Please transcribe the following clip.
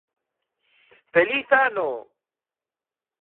Feliz ano!